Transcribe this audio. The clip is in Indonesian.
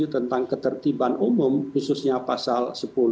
tentang ketertiban umum khususnya pasal sepuluh